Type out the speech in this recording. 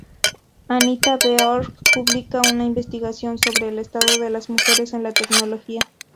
AnitaB.org publica una investigación sobre el estado de las mujeres en la tecnología.